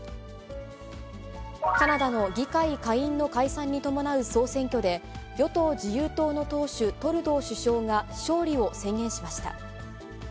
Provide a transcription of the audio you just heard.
カナダの議会下院の解散に伴う総選挙で、与党・自由党の党首、トルドー首相が勝利を宣言しました。